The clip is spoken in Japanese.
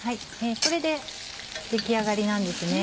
これで出来上がりなんですね。